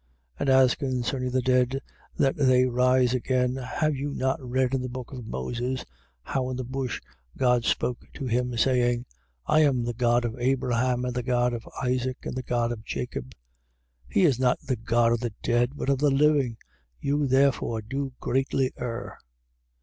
12:26. And as concerning the dead that they rise again have you not read in the book of Moses, how in the bush God spoke to him, saying: I am the God of Abraham and the God of Isaac and the God of Jacob? 12:27. He is not the God of the dead, but of the living. You therefore do greatly err.